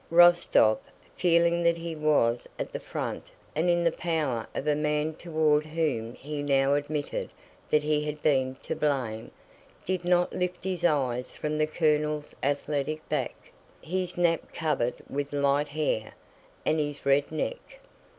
Rostóv, feeling that he was at the front and in the power of a man toward whom he now admitted that he had been to blame, did not lift his eyes from the colonel's athletic back, his nape covered with light hair, and his red neck.